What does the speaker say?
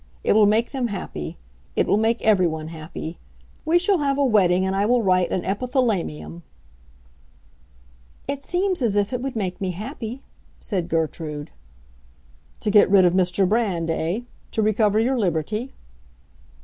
It will make them happy; it will make everyone happy. We shall have a wedding and I will write an epithalamium." "It seems as if it would make me happy," said Gertrude. "To get rid of Mr. Brand, eh? To recover your liberty?"